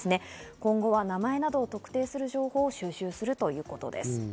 今後は名前などを特定する情報を収集するということです。